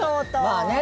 まあね